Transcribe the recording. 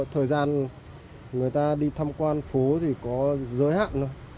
thời gian người ta đi thăm quan phố thì có giới hạn thôi